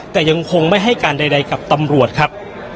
แต่ยังคงไม่ให้การใดกับตำรวจครับ